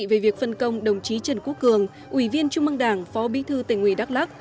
về việc phân công đồng chí trần quốc cường ủy viên trung mương đảng phó bí thư tỉnh ủy đắk lắc